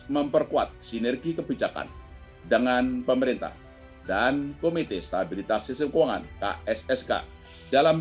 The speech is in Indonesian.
memperkuat sinergi kebijakan dengan pemerintah dan komite stabilitas sistem keuangan kssk dalam